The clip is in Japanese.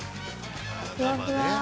◆ふわふわ。